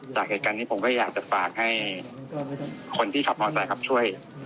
จากเหตุการณ์นี้ผมก็อยากจะฝากให้คนที่ขับมอเซครับช่วย